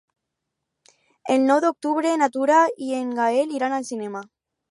El nou d'octubre na Tura i en Gaël iran al cinema.